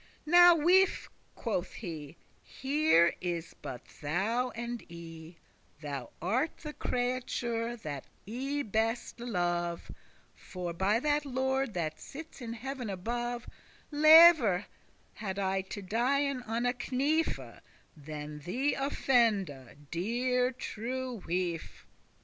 "Now, wife," quoth he, "here is but thou and I; Thou art the creature that I beste love: For, by that Lord that sits in heav'n above, Lever* I had to dien on a knife, *rather Than thee offende, deare true wife.